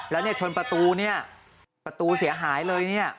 แล้วเนี่ยชนประตูเนี่ยประตูเสียหายเลยเนี่ย